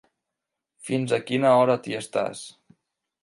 Fins a quina hora t'hi estàs?